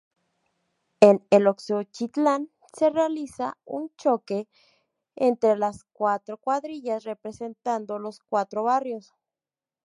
En Eloxochitlán se realiza un "choque" entre las cuatro cuadrillas representando los cuatro barrios.